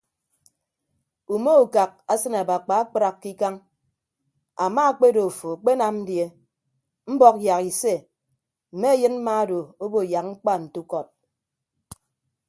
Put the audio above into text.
Ume ukak asịn abakpa akpraak ke ikañ ama akpedo afo akpenam die mbọk yak ise mme ayịn mma odo obo yak mkpa nte ukọd.